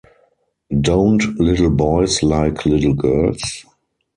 Don't little boys like little girls?